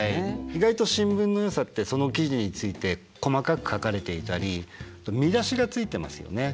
意外と新聞のよさってその記事について細かく書かれていたり見出しがついてますよね。